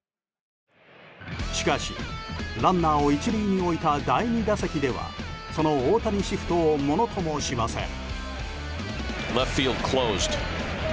しかし、ランナーを１塁に置いた第２打席ではその大谷シフトをものともしません。